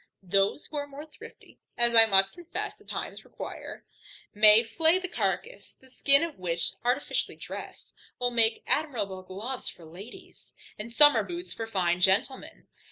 Those who are more thrifty (as I must confess the times require) may flay the carcass; the skin of which, artificially dressed, will make admirable gloves for ladies, and summer boots for fine gentlemen.